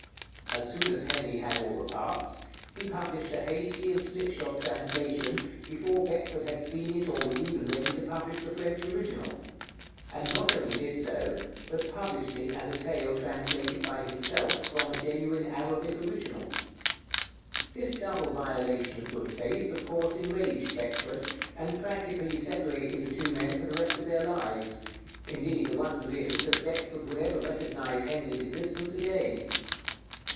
As soon as Henley had all the parts, he published a hasty and slipshod translation, before Beckford had seen it or was even ready to publish the French original; and not only did so, but published it as a tale translated by himself from a genuine Arabic original. This double violation of good faith of course enraged Beckford, and practically separated the two men for the rest of their lives; indeed, the wonder is that Beckford would ever recognize Henley's existence again.